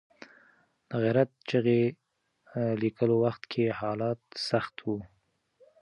د غیرت چغې لیکلو وخت کې حالات سخت وو.